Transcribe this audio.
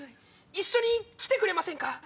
一緒に来てくれませんか？